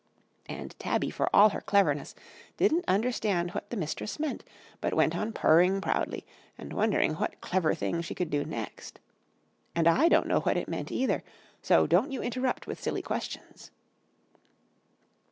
And Tabby for all her cleverness didn't understand what the Mistress meant, but went on purring proudly, and wondering what clever thing she could do next. And I don't know what it meant either, so don't you interrupt with silly questions.